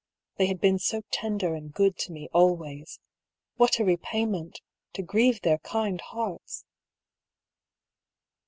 They had been so tender and good to me always. What a repayment — to grieve their kind hearts